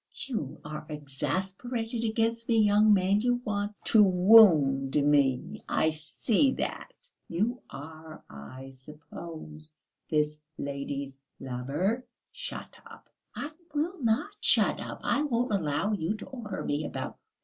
"You are exasperated against me, young man, you want to wound me, I see that. You are, I suppose, this lady's lover?" "Shut up!" "I will not shut up! I won't allow you to order me about!